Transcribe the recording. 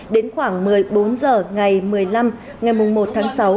đến khoảng một mươi bốn h ngày một mươi năm ngày một tháng sáu